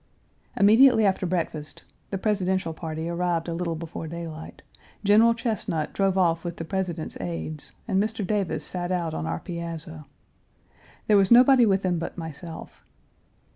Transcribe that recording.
Immediately after breakfast (the Presidential party arrived a little before daylight) General Chesnut drove off with the President's aides, and Mr. Davis sat out on our piazza. There was nobody with him but myself.